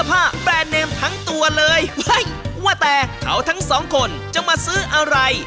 พรีตัวเลยเฮ้ยว่าแต่เขาทั้งสองคนจะมาซื้ออะไร